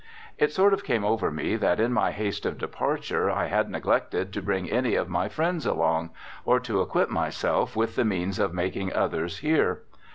It sort of came over me that in my haste of departure I had neglected to bring any of my friends along, or to equip myself with the means of making others here.